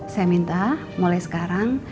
saya minta mulai sekarang